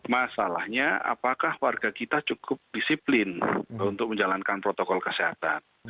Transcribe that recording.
masalahnya apakah warga kita cukup disiplin untuk menjalankan protokol kesehatan